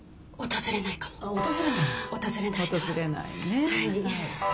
訪れないね。